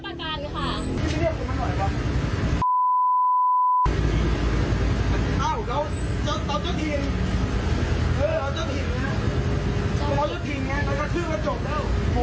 เราเจ้าถิ่นเนี่ยเราก็ทึ่งก็จบแล้ว